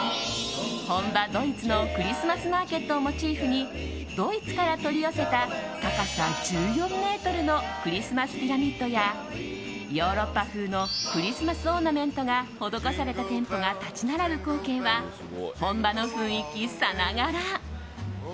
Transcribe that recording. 本場ドイツのクリスマスマーケットをモチーフにドイツから取り寄せた高さ１４ｍのクリスマスピラミッドやヨーロッパ風のクリスマスオーナメントが施された店舗が立ち並ぶ光景は本場の雰囲気さながら。